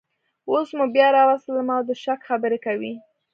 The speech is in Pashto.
اوس مو بیا راوستلم او د شک خبرې کوئ